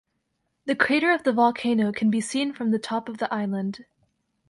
The crater of the volcano can be seen from the top of the island.